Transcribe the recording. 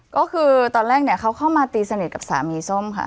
ก็คือตอนแรกเนี่ยเขาเข้ามาตีสนิทกับสามีส้มค่ะ